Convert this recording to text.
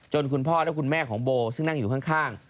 คุณพ่อและคุณแม่ของโบซึ่งนั่งอยู่ข้าง